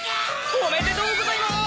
おめでとうございます！